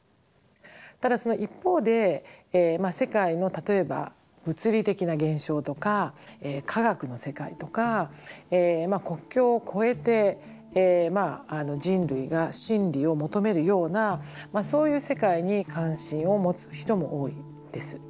ただその一方で世界の例えば物理的な現象とか科学の世界とか国境を超えて人類が真理を求めるようなそういう世界に関心を持つ人も多いです。